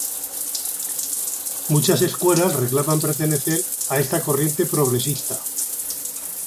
Muchas escuelas reclaman pertenecer a esta corriente progresista.